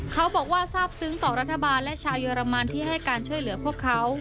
ทราบซึ้งต่อรัฐบาลและชาวเยอรมันที่ให้การช่วยเหลือพวกเขา